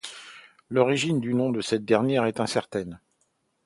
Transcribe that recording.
L'origine du nom de cette dernière est incertaine.